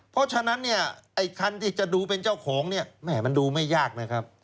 เพราะฉะนั้นไอ้คันที่จะดูเป็นเจ้าของมันดูไม่ยากนะครับ